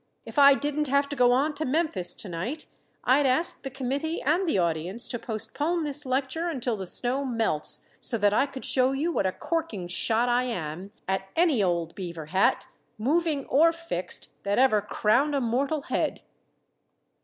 If I didn't have to go on to Memphis to night, I'd ask the committee and the audience to postpone this lecture until the snow melts, so that I could show you what a corking shot I am at any old beaver hat, moving or fixed, that ever crowned a mortal head."